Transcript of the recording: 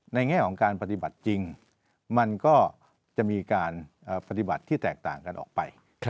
แง่ของการปฏิบัติจริงมันก็จะมีการปฏิบัติที่แตกต่างกันออกไป